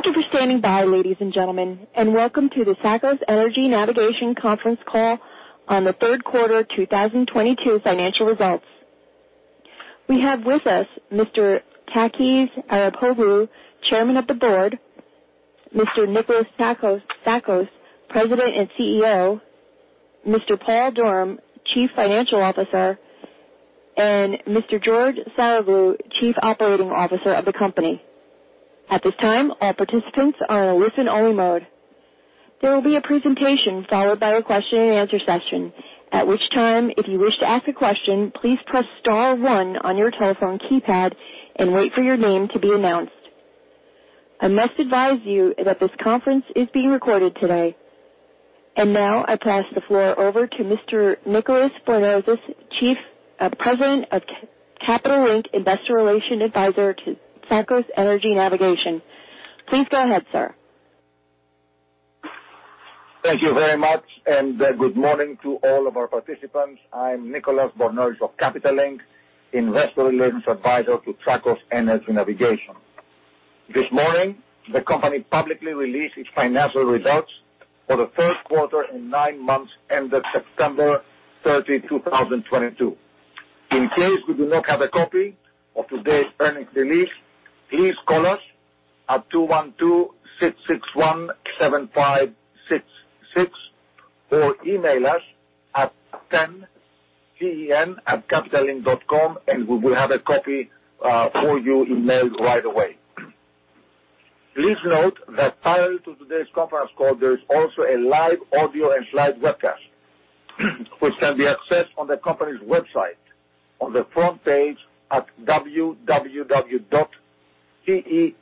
Thank you for standing by, ladies and gentlemen, and welcome to the Tsakos Energy Navigation conference call on the third quarter 2022 financial results. We have with us Mr. Takis Arapoglou, Chairman of the Board. Mr. Nikolas Tsakos, President and CEO. Mr. Paul Durham, Chief Financial Officer, and Mr. George Saroglou, Chief Operating Officer of the company. At this time, all participants are in a listen-only mode. There will be a presentation followed by a question and answer session. At which time, if you wish to ask a question, please press star one on your telephone keypad and wait for your name to be announced. I must advise you that this conference is being recorded today. Now I pass the floor over to Mr. Nicolas Bornozis, President of Capital Link, investor relations advisor to Tsakos Energy Navigation. Please go ahead, sir. Thank you very much, and good morning to all of our participants. I'm Nicolas Bornozis of Capital Link, investor relations advisor to Tsakos Energy Navigation. This morning, the company publicly released its financial results for the third quarter and nine months ended September 30, 2022. In case you do not have a copy of today's earnings release, please call us at 212-661-7566, or email us at ten@capitallink.com and we will have a copy for you emailed right away. Please note that prior to today's conference call, there is also a live audio and slide webcast which can be accessed on the company's website on the front page at www.ten.gr. The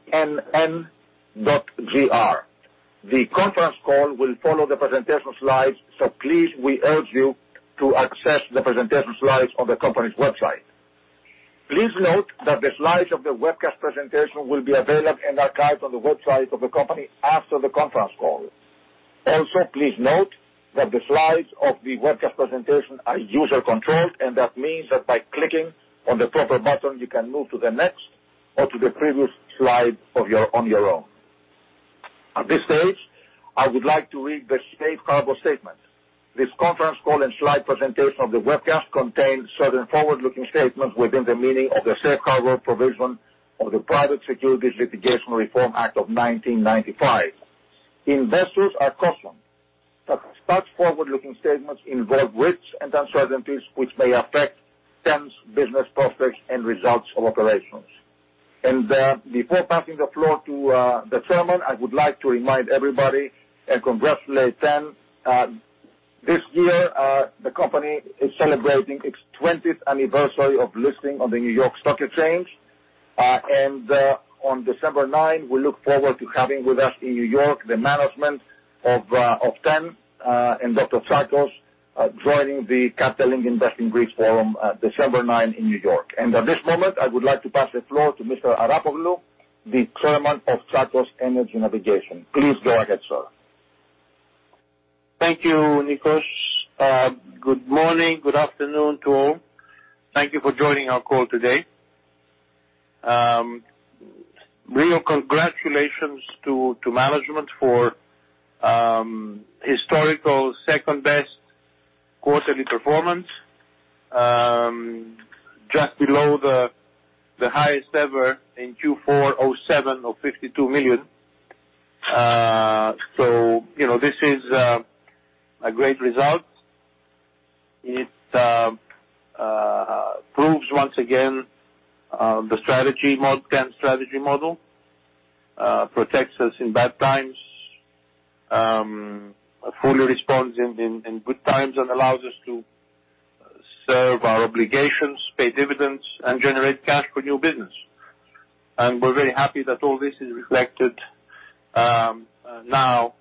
conference call will follow the presentation slides, so please we urge you to access the presentation slides on the company's website. Please note that the slides of the webcast presentation will be available and archived on the website of the company after the conference call. Please note that the slides of the webcast presentation are user controlled, and that means that by clicking on the proper button, you can move to the next or to the previous slide on your own. At this stage, I would like to read the safe harbor statement. This conference call and slide presentation of the webcast contains certain forward-looking statements within the meaning of the safe harbor provision of the Private Securities Litigation Reform Act of 1995. Investors are cautioned that such forward-looking statements involve risks and uncertainties which may affect TEN's business prospects and results of operations. Before passing the floor to the Chairman, I would like to remind everybody and congratulate TEN, this year, the company is celebrating its 20th anniversary of listing on the New York Stock Exchange. On December 9, we look forward to having with us in New York the management of TEN and Dr. Tsakos joining the Capital Link Invest in Greece Forum at December 9 in New York. At this moment, I would like to pass the floor to Mr. Arapoglou, the Chairman of Tsakos Energy Navigation. Please go ahead, sir. Thank you, Nikos. Good morning, good afternoon to all. Thank you for joining our call today. Real congratulations to management for historical second-best quarterly performance, just below the highest ever in Q4 2007 of $52 million. You know, this is a great result. It proves once again the strategy mod, TEN strategy model, protects us in bad times, fully responds in good times, and allows us to serve our obligations, pay dividends, and generate cash for new business. We're very happy that all this is reflected, now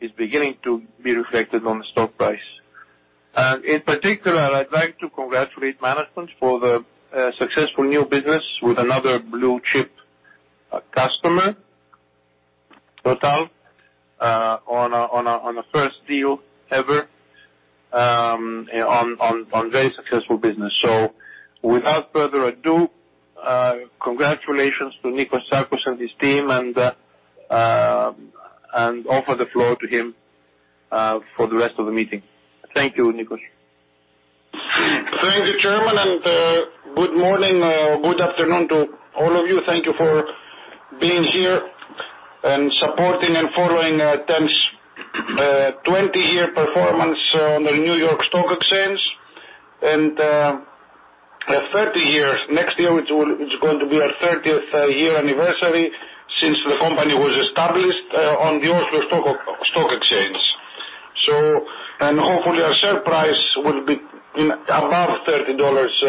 it's beginning to be reflected on the stock price. In particular, I'd like to congratulate management for the successful new business with another blue chip customer, TotalEnergies, on a first deal ever, on very successful business. Without further ado, congratulations to Nico Tsakos and his team and offer the floor to him for the rest of the meeting. Thank you, Nikos. Thank you, Chairman. Good morning, good afternoon to all of you. Thank you for being here and supporting and following TEN's 20-year performance on the New York Stock Exchange. 30 years. Next year it's going to be our 30th year anniversary since the company was established on the Oslo Stock Exchange. Hopefully our share price will be above $30.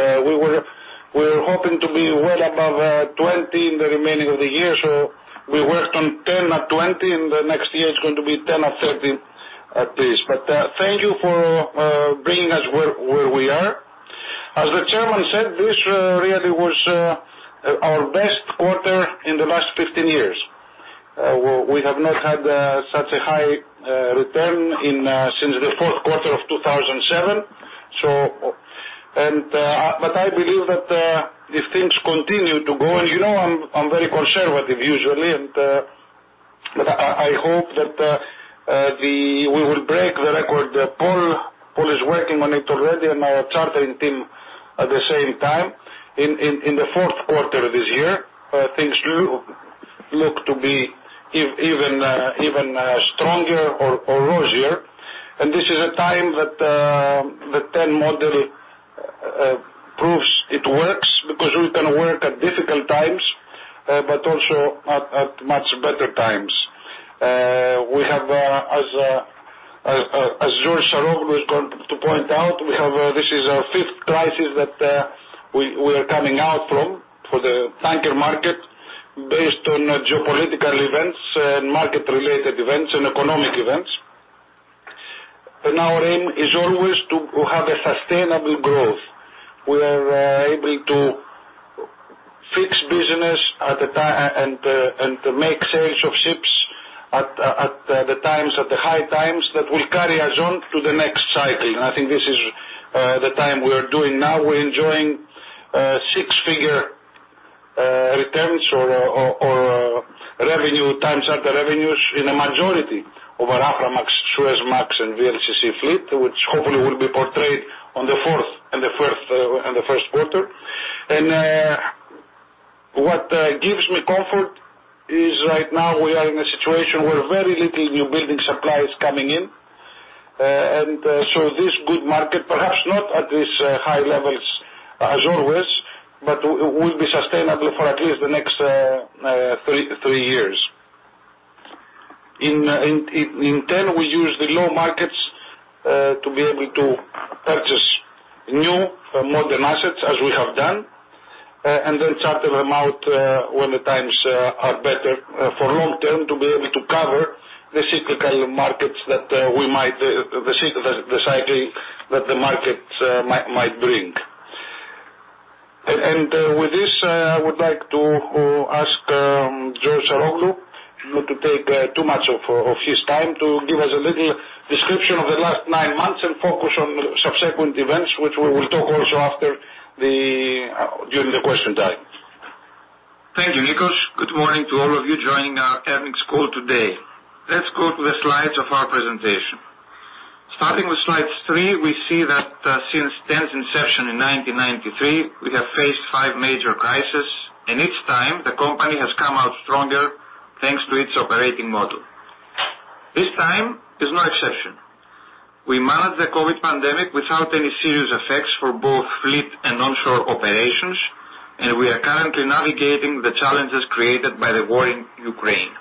We're hoping to be well above $20 in the remaining of the year. We worked on $10 or $20, and the next year it's going to be $10 or $30 at least. Thank you for bringing us where we are. As the Chairman said, this really was our best quarter in the last 15 years. We have not had such a high return in since the fourth quarter of 2007. I believe that these things continue to go. You know, I'm very conservative usually, and, but I hope that we will break the record. Paul is working on it already and our chartering team at the same time. In the fourth quarter of this year, things do look to be even stronger or rosier. This is a time that the TEN model proves it works because we can work at difficult times, but also at much better times. Saroglou was going to point out, this is our fifth crisis that we are coming out from for the tanker market based on geopolitical events and market-related events and economic events. Our aim is always to have a sustainable growth. We are able to fix business and to make sales of ships at the times, at the high times that will carry us on to the next cycle. I think this is the time we are doing now. We are enjoying six-figure returns or revenue, time charter revenues in a majority of our Aframax, Suezmax and VLCC fleet, which hopefully will be portrayed on the fourth and the first quarter. What gives me comfort is right now we are in a situation where very little new building supply is coming in. So this good market, perhaps not at this high levels as always, but will be sustainable for at least the next three years. In TEN we use the low markets to be able to purchase new modern assets as we have done, and then charter them out when the times are better for long term to be able to cover the cyclical markets that we might, the cycling that the markets might bring. With this, I would like to ask, George Saroglou, not to take too much of his time to give us a little description of the last nine months and focus on subsequent events which we will talk also during the question time. Thank you, Nikos. Good morning to all of you joining our earnings call today. Let's go to the slides of our presentation. Starting with slide three, we see that since TEN's inception in 1993, we have faced five major crises, and each time the company has come out stronger thanks to its operating model. This time is no exception. We managed the COVID pandemic without any serious effects for both fleet and onshore operations, and we are currently navigating the challenges created by the war in Ukraine.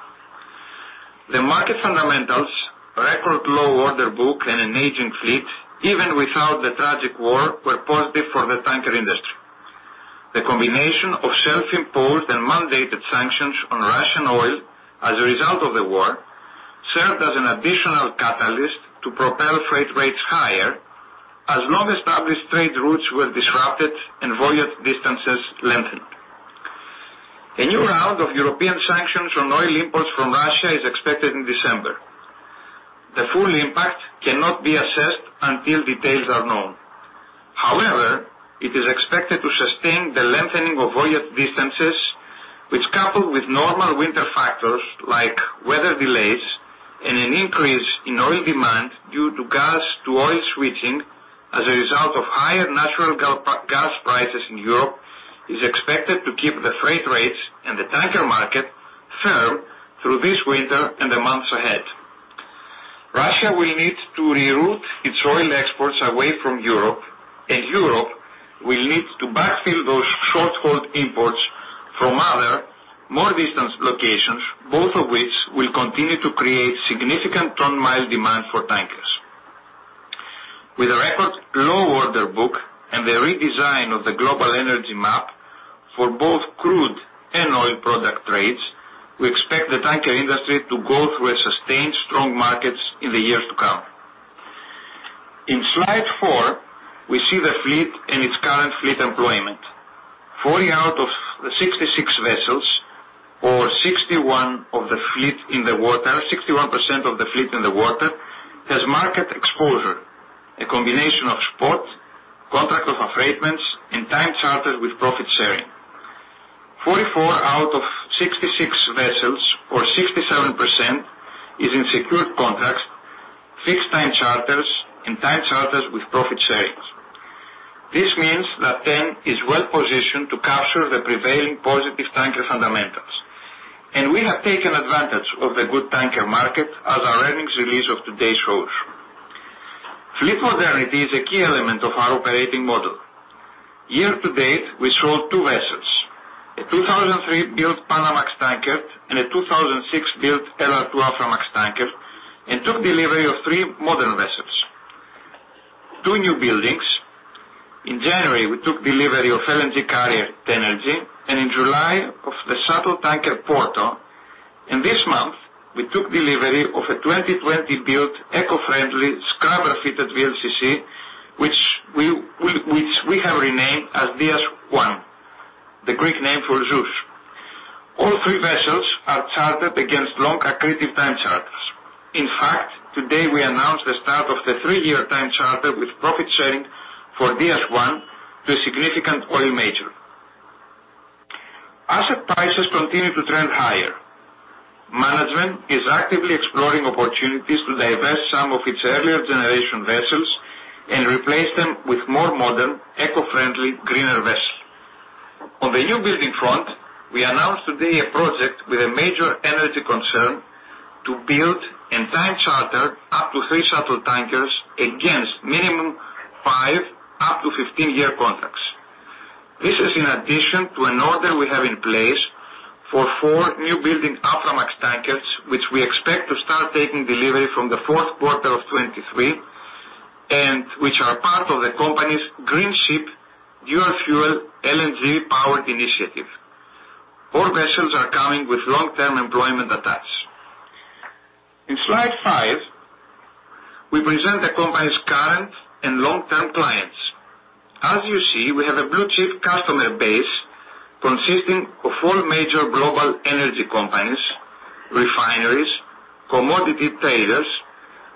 The market fundamentals, record low order book and an aging fleet, even without the tragic war, were positive for the tanker industry. The combination of self-imposed and mandated sanctions on Russian oil as a result of the war served as an additional catalyst to propel freight rates higher as long-established trade routes were disrupted and voyage distances lengthened. A new round of European sanctions on oil imports from Russia is expected in December. The full impact cannot be assessed until details are known. However, it is expected to sustain the lengthening of voyage distances, which, coupled with normal winter factors like weather delays and an increase in oil demand due to gas-to-oil switching as a result of higher natural gas prices in Europe, is expected to keep the freight rates and the tanker market firm through this winter and the months ahead. Russia will need to reroute its oil exports away from Europe, and Europe will need to backfill those short-hauled imports from other more distant locations, both of which will continue to create significant ton-mile demand for tankers. With a record low order book and the redesign of the global energy map for both crude and oil product trades, we expect the tanker industry to go through a sustained strong market in the years to come. In slide four, we see the fleet and its current fleet employment. 40 out of the 66 vessels or 61% of the fleet in the water, 61% of the fleet in the water has market exposure, a combination of spot, contract of affreightment and time charters with profit sharing. 44 out of 66 vessels or 67% is in secured contracts, fixed time charters and time charters with profit sharing. This means that TEN is well-positioned to capture the prevailing positive tanker fundamentals. We have taken advantage of the good tanker market as our earnings release of today shows. Fleet modernity is a key element of our operating model. Year to date, we sold two vessels, a 2003-built Panamax tanker and a 2006-built LR2 Aframax tanker and took delivery of three modern vessels. Two new buildings. In January, we took delivery of LNG carrier, the Energy, and in July of the shuttle tanker, Porto. This month, we took delivery of a 2020-built eco-friendly scrubber-fitted VLCC, which we have renamed as Dias I, the Greek name for Zeus. All three vessels are chartered against long accretive time charters. In fact, today we announced the start of the three-year time charter with profit sharing for Dias I to a significant oil major. Asset prices continue to trend higher. Management is actively exploring opportunities to divest some of its earlier generation vessels and replace them with more modern, eco-friendly, greener vessels. On the new building front, we announced today a project with a major energy concern to build and time charter up to three shuttle tankers against minimum five up to 15-year contracts. This is in addition to an order we have in place for four new building Aframax tankers, which we expect to start taking delivery from the fourth quarter of 2023, and which are part of the company's Greenship dual fuel LNG powered initiative. All vessels are coming with long-term employment attached. In slide five, we present the company's current and long-term clients. As you see, we have a blue-chip customer base consisting of all major global energy companies, refineries, commodity traders,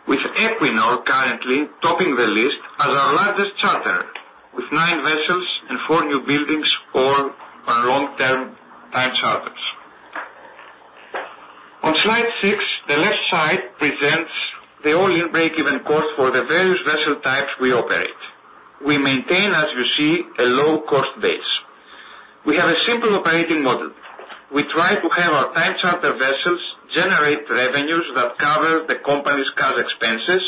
with Equinor currently topping the list as our largest charter, with nine vessels and four new buildings, all on long-term time charters. On slide six, the left side presents the all-in break-even cost for the various vessel types we operate. We maintain, as you see, a low cost base. We have a simple operating model. We try to have our time charter vessels generate revenues that cover the company's cash expenses,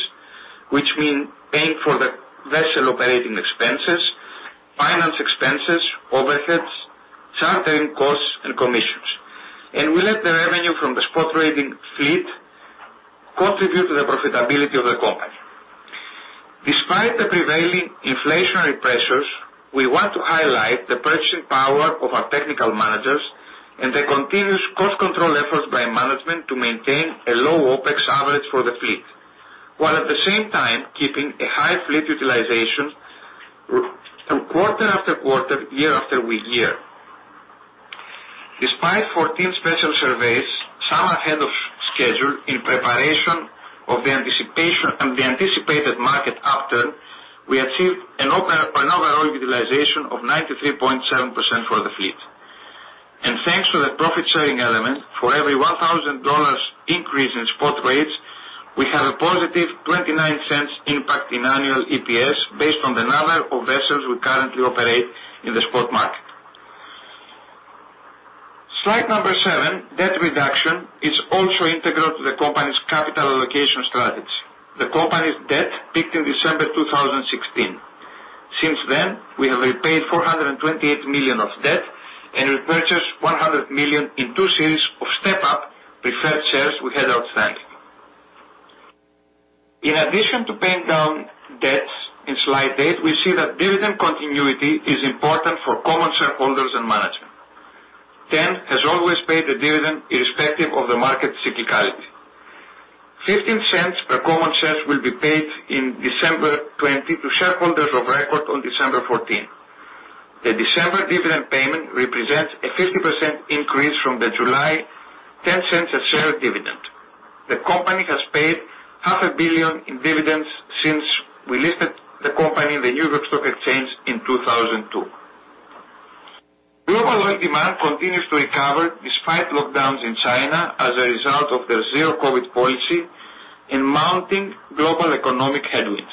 which mean paying for the vessel operating expenses, finance expenses, overheads, chartering costs, and commissions. We let the revenue from the spot trading fleet contribute to the profitability of the company. Despite the prevailing inflationary pressures, we want to highlight the purchasing power of our technical managers and the continuous cost control efforts by management to maintain a low OpEx average for the fleet, while at the same time keeping a high fleet utilization through quarter after quarter, year after year. Despite 14 special surveys, some ahead of schedule in preparation of the anticipation and the anticipated market after, we achieved an overall utilization of 93.7% for the fleet. Thanks to the profit-sharing element, for every $1,000 increase in spot rates, we have a positive $0.29 impact in annual EPS based on the number of vessels we currently operate in the spot market. Slide number seven, debt reduction is also integral to the company's capital allocation strategy. The company's debt peaked in December 2016. Since then, we have repaid $428 million of debt and repurchased $100 million in two series of step-up preferred shares we had outstanding. In addition to paying down debts in slide eight, we see that dividend continuity is important for common shareholders and management. TEN has always paid a dividend irrespective of the market cyclicality. $0.15 per common shares will be paid in December 20 to shareholders of record on December 14th. The December dividend payment represents a 50% increase from the July $0.10 a share dividend. The company has paid half a billion in dividends since we listed the company in the New York Stock Exchange in 2002. Global oil demand continues to recover despite lockdowns in China as a result of their zero-COVID policy and mounting global economic headwinds.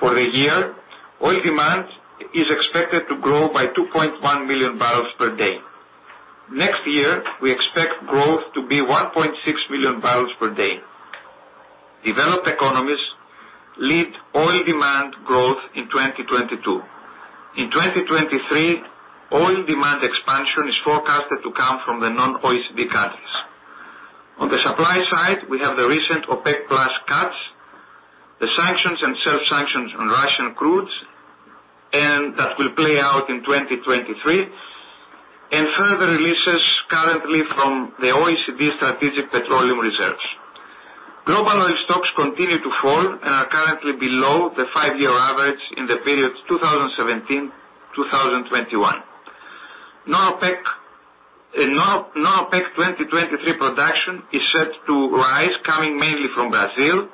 For the year, oil demand is expected to grow by 2.1 million barrels per day. Next year, we expect growth to be 1.6 million barrels per day. Developed economies lead oil demand growth in 2022. In 2023, oil demand expansion is forecasted to come from the non-OECD economies. On the supply side, we have the recent OPEC+ cuts, the sanctions and self-sanctions on Russian crudes. That will play out in 2023. Further releases currently from the OECD strategic petroleum reserves. Global oil stocks continue to fall and are currently below the five-year average in the period 2017, 2021. Non-OPEC 2023 production is set to rise, coming mainly from Brazil,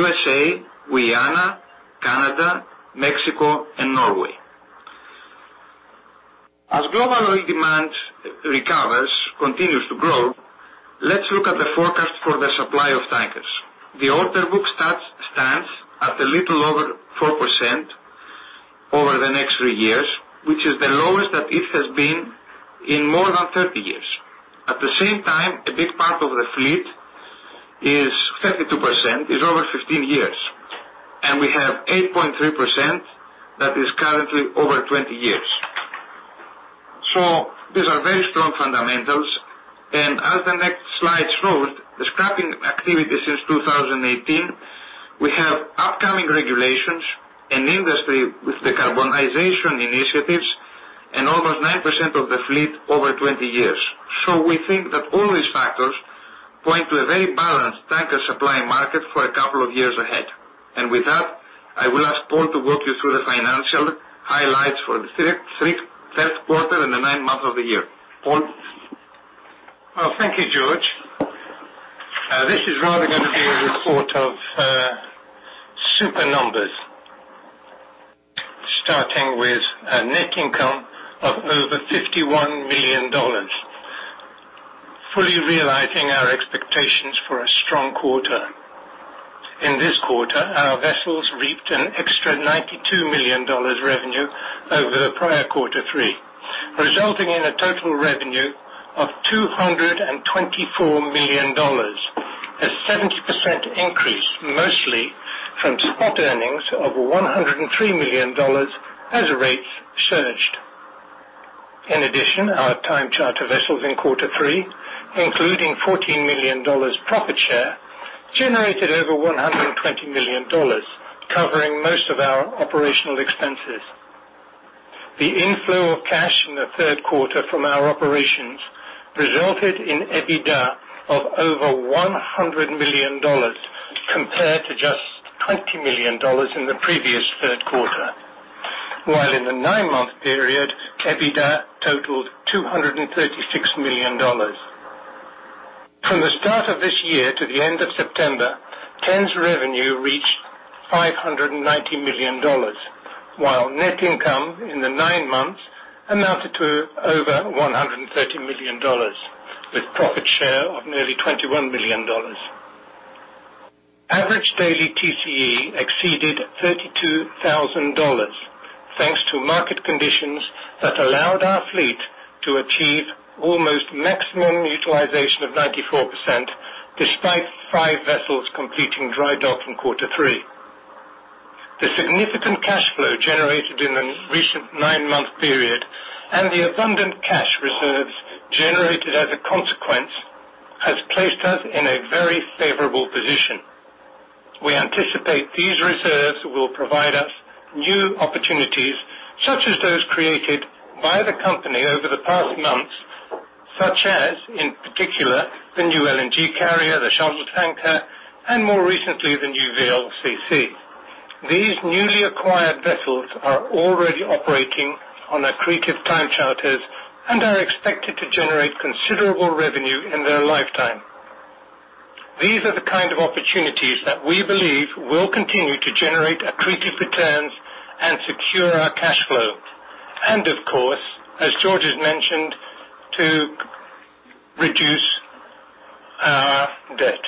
U.S.A., Guyana, Canada, Mexico and Norway. As global oil demand recovers, continues to grow, let's look at the forecast for the supply of tankers. The order book stats stand at a little over 4% over the next three years, which is the lowest that it has been in more than 30 years. At the same time, a big part of the fleet is 32% is over 15 years, and we have 8.3% that is currently over 20 years. These are very strong fundamentals. As the next slide shows, the scrapping activity since 2018, we have upcoming regulations and industry with the decarbonization initiatives and almost 9% of the fleet over 20 years. We think that all these factors Point to a very balanced tanker supply market for a couple of years ahead. With that, I will ask Paul to walk you through the financial highlights for the third quarter and the nine months of the year. Paul? Well, thank you, George. This is rather going to be a report of super numbers. Starting with a net income of over $51 million, fully realizing our expectations for a strong quarter. In this quarter, our vessels reaped an extra $92 million revenue over the prior quarter three, resulting in a total revenue of $224 million, a 70% increase, mostly from spot earnings of $103 million as rates surged. Our time charter vessels in quarter three, including $14 million profit share, generated over $120 million, covering most of our operational expenses. The inflow of cash in the third quarter from our operations resulted in EBITDA of over $100 million compared to just $20 million in the previous third quarter. While in the nine-month period, EBITDA totaled $236 million. From the start of this year to the end of September, TEN's revenue reached $590 million, while net income in the nine months amounted to over $130 million, with profit share of nearly $21 million. Average daily TCE exceeded $32,000 thanks to market conditions that allowed our fleet to achieve almost maximum utilization of 94% despite five vessels completing dry dock in quarter three. The significant cash flow generated in the recent nine-month period and the abundant cash reserves generated as a consequence has placed us in a very favorable position. We anticipate these reserves will provide us new opportunities such as those created by the company over the past months, such as, in particular, the new LNG carrier, the shuttle tanker, and more recently, the new VLCC. These newly acquired vessels are already operating on accretive time charters and are expected to generate considerable revenue in their lifetime. These are the kind of opportunities that we believe will continue to generate accretive returns and secure our cash flow. Of course, as George has mentioned, to reduce our debt.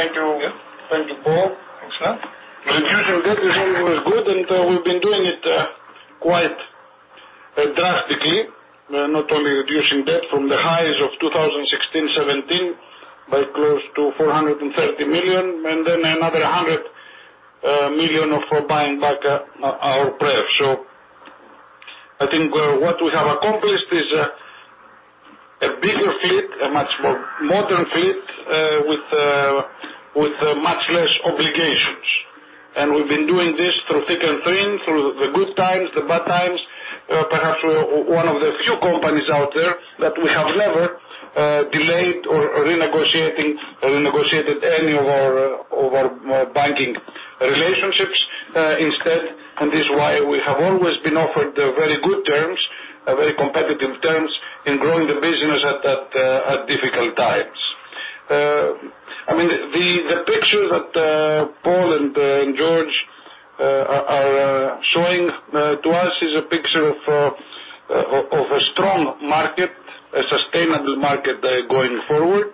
Good. Yes. Thank you. Yes. Thank you, Paul. Thanks a lot. Reducing debt is always good, and we've been doing it quite drastically, not only reducing debt from the highs of 2016, 2017 by close to $430 million and then another $100 million for buying back our pref. I think what we have accomplished is a bigger fleet, a much more modern fleet, with much less obligations. We've been doing this through thick and thin, through the good times, the bad times, perhaps one of the few companies out there that we have never delayed or renegotiating or renegotiated any of our, of our banking relationships, instead. This is why we have always been offered the very good terms, a very competitive terms in growing the business at difficult times. I mean, the picture that Paul and George are showing to us is a picture of a strong market, a sustainable market going forward.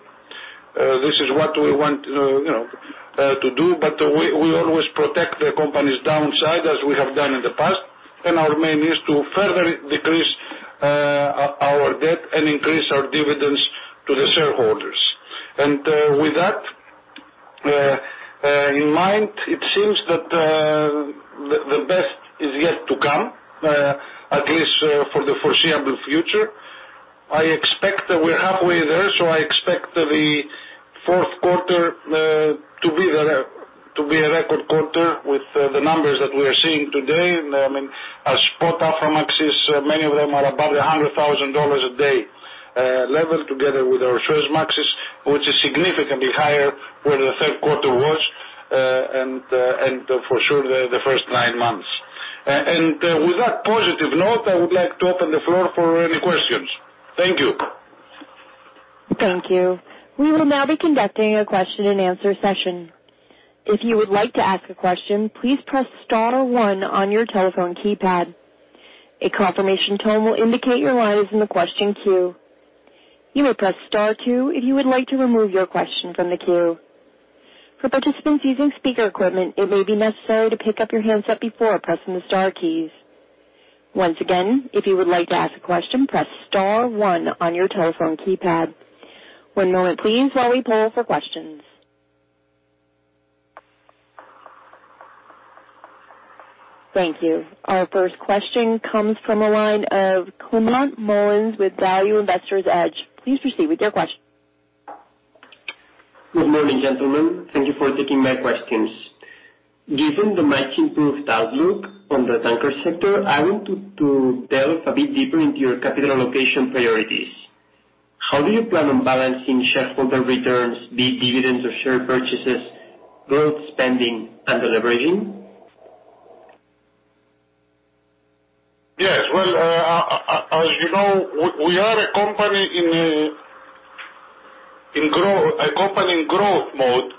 This is what we want, you know, to do, but we always protect the company's downside as we have done in the past. Our main is to further decrease our debt and increase our dividends to the shareholders. With that in mind, it seems that the best is yet to come, at least for the foreseeable future. I expect that we're halfway there, so I expect the fourth quarter to be a record quarter with the numbers that we are seeing today. I mean, our spot Aframaxes, many of them are above the $100,000 a day level together with our Suezmaxes, which is significantly higher where the third quarter was, and for sure the first nine months. With that positive note, I would like to open the floor for any questions. Thank you. Thank you. We will now be conducting a question and answer session. If you would like to ask a question, please press star one on your telephone keypad. A confirmation tone will indicate your line is in the question queue. You may press star two if you would like to remove your question from the queue. For participants using speaker equipment, it may be necessary to pick up your handset before pressing the star keys. Once again, if you would like to ask a question, press star one on your telephone keypad. One moment please while we poll for questions. Thank you. Our first question comes from a line of Climent Molins with Value Investor's Edge. Please proceed with your question. Good morning, gentlemen. Thank you for taking my questions. Given the much improved outlook on the tanker sector, I want to delve a bit deeper into your capital allocation priorities. How do you plan on balancing shareholder returns, be it dividends or share purchases, growth spending, and delivering? Yes. Well, as you know, we are a company in growth mode.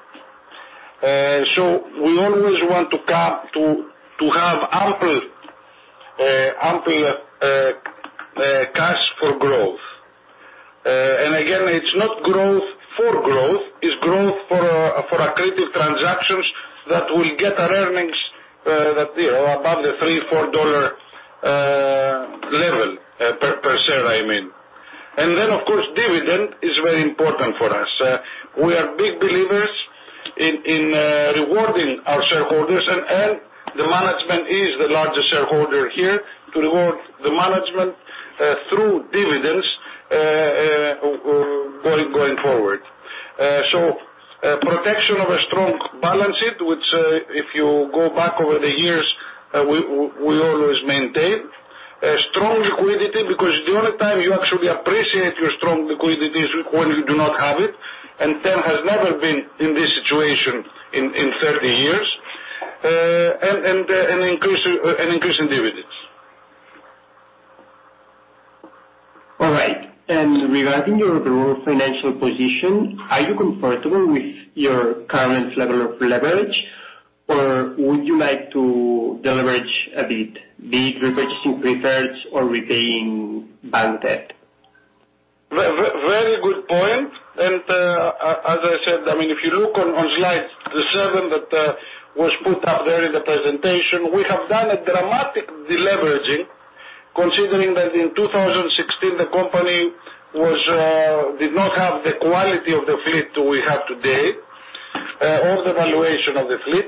We always want to have ample cash for growth. Again, it's not growth for growth, it's growth for accretive transactions that will get our earnings, you know, above the $3-$4 level per share, I mean. Of course, dividend is very important for us. We are big believers in rewarding our shareholders and the management is the largest shareholder here to reward the management through dividends going forward. Protection of a strong balance sheet, which, if you go back over the years, we always maintain. A strong liquidity because the only time you actually appreciate your strong liquidity is when you do not have it, and TEN has never been in this situation in 30 years, and increasing dividends. All right. Regarding your overall financial position, are you comfortable with your current level of leverage or would you like to deleverage a bit? Be it repurchasing preferreds or repaying bank debt? Very good point. As I said, I mean, if you look on slide seven that was put up there in the presentation, we have done a dramatic deleveraging considering that in 2016 the company was did not have the quality of the fleet we have today, or the valuation of the fleet.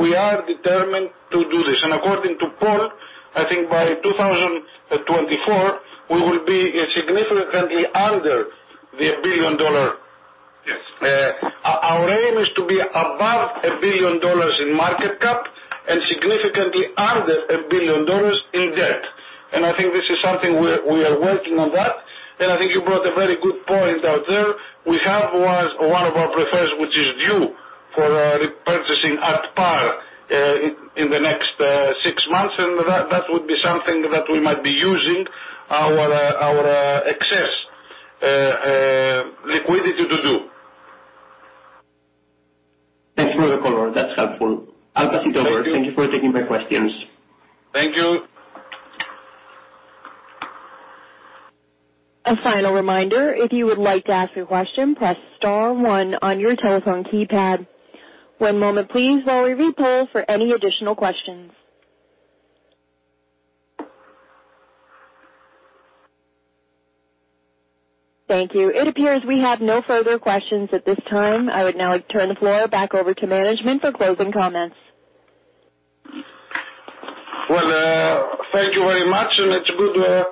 We are determined to do this. According to Paul, I think by 2024 we will be significantly under the $1 billion. Yes. Our aim is to be above $1 billion in market cap and significantly under $1 billion in debt. I think this is something we are working on that. I think you brought a very good point out there. We have one of our prefers which is due for repurchasing at par in the next six months, and that would be something that we might be using our excess liquidity to do. Thanks for the color. That's helpful. Thank you. I'll pass it over. Thank Thank you for taking my questions. Thank you. A final reminder, if you would like to ask a question, press star one on your telephone keypad. One moment please while we repoll for any additional questions. Thank you. It appears we have no further questions at this time. I would now turn the floor back over to management for closing comments. Well, thank you very much and it's good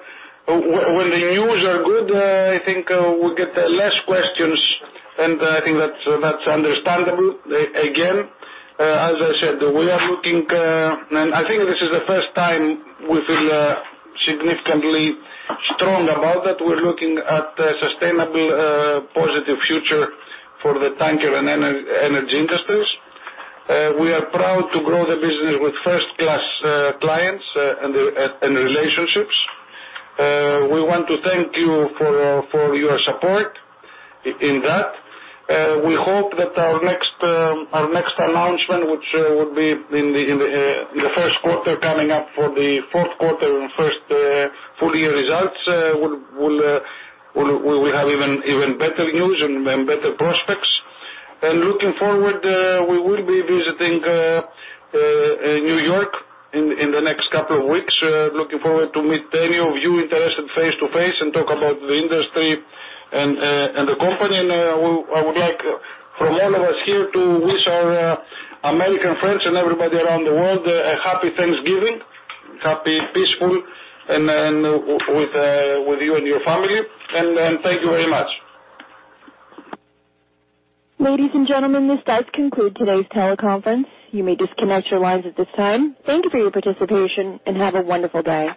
when the news are good, I think, we get less questions, and I think that's understandable. Again, as I said, we are looking, and I think this is the first time we feel significantly strong about that. We're looking at a sustainable, positive future for the tanker and energy industries. We are proud to grow the business with first-class clients and relationships. We want to thank you for your support in that. We hope that our next announcement which would be in the first quarter coming up for the fourth quarter and first full year results will have even better news and better prospects. Looking forward, we will be visiting New York in the next couple of weeks. Looking forward to meet any of you interested face-to-face and talk about the industry and the company. I would like from all of us here to wish our American friends and everybody around the world a Happy Thanksgiving. Happy, peaceful and with you and your family. Thank you very much. Ladies and gentlemen, this does conclude today's teleconference. You may disconnect your lines at this time. Thank you for your participation, and have a wonderful day.